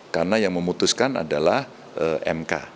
karena yang memutuskan adalah mp